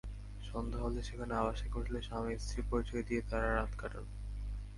সন্ধ্যা হলে সেখানে আবাসিক হোটেলে স্বামী-স্ত্রী পরিচয় দিয়ে তাঁরা রাত কাটান।